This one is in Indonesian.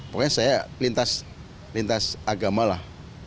pokoknya saya lintas agama lah